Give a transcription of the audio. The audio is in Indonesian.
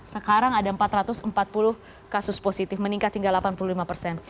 sekarang ada empat ratus empat puluh kasus positif meningkat hingga delapan puluh lima persen